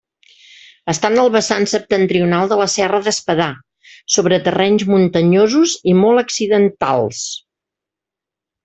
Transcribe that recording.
Està en el vessant septentrional de la serra d'Espadà, sobre terrenys muntanyosos i molt accidentals.